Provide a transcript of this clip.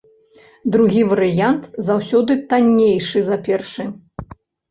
Другі варыянт заўсёды таннейшы за першы.